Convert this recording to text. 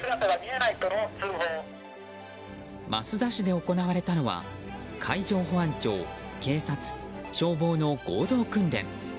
益田市で行われたのは海上保安庁、警察、消防の合同訓練。